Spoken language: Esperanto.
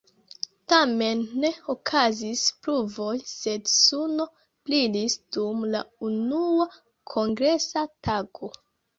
Tamen ne okazis pluvoj sed suno brilis dum la unua kongresa tago.